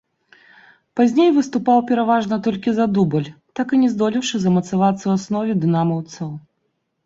Пазней выступаў пераважна толькі за дубль, так і не здолеўшы замацавацца ў аснове дынамаўцаў.